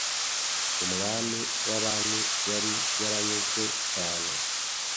umwami w’abami yari yaranyuzwe cyane